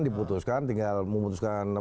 diputuskan tinggal memutuskan